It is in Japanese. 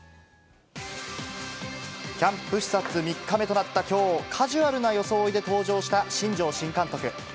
キャンプ視察３日目となったきょう、カジュアルな装いで登場した新庄新監督。